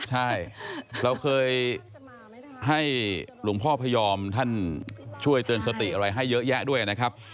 ใช่เราเคยให้หลวงพ่อพยอมท่านช่วยเตือนสติอะไรให้เยอะแยะด้วยนะครับ